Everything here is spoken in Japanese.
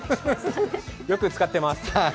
よく使ってます。